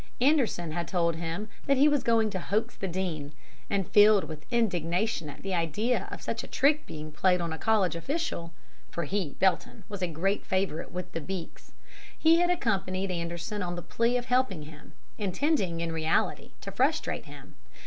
Anderson had told him that he was going to hoax the Dean, and filled with indignation at the idea of such a trick being played on a College official for he, Belton, was a great favourite with the 'Beaks' he had accompanied Anderson on the plea of helping him, intending, in reality, to frustrate him.